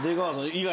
意外？